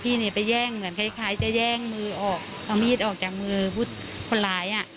เนี่ยไปแย่งเหมือนคล้ายจะแย่งมือออกเอามีดออกจากมือผู้คนร้ายอ่ะ